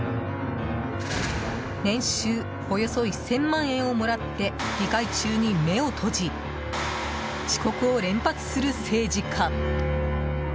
年収およそ１０００万円をもらって議会中に目を閉じ遅刻を連発する政治家。